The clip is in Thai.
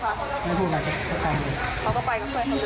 เขาก็ไปกับเพื่อนเขาเลย